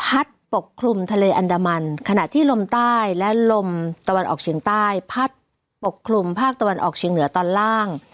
อันดับที่ลมใต้และรมตะวันออกเฉียงใต้พัดปกครุมภาคตะวันออกเฉียงเหนือตอนล่าง